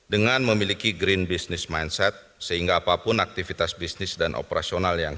dengan memiliki green business mindset sehingga apapun aktivitas bisnis dan operasional yang